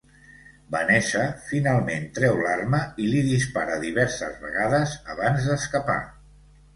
Vanessa finalment treu l'arma i li dispara diverses vegades abans d'escapar.